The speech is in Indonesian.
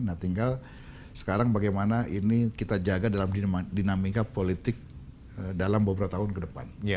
nah tinggal sekarang bagaimana ini kita jaga dalam dinamika politik dalam beberapa tahun ke depan